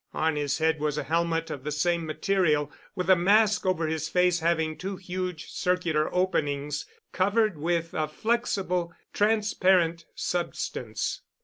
On his head was a helmet of the same material, with a mask over his face having two huge circular openings covered with a flexible, transparent substance.